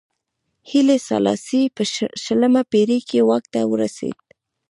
هیلي سلاسي په شلمه پېړۍ کې واک ته ورسېد.